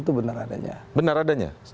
itu benar adanya benar adanya